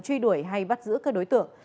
truy đuổi hay bắt giữ các đối tượng